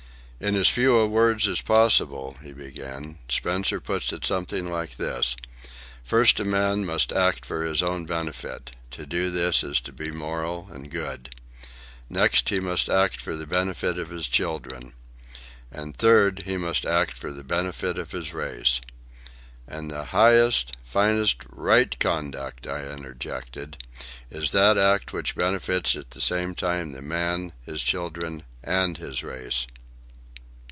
"In as few words as possible," he began, "Spencer puts it something like this: First, a man must act for his own benefit—to do this is to be moral and good. Next, he must act for the benefit of his children. And third, he must act for the benefit of his race." "And the highest, finest, right conduct," I interjected, "is that act which benefits at the same time the man, his children, and his race."